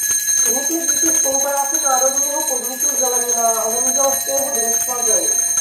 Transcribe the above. Vznikly díky spolupráci národního podniku Zelenina a zemědělského družstva Zeus.